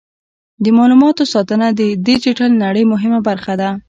د معلوماتو ساتنه د ډیجیټل نړۍ مهمه برخه ده.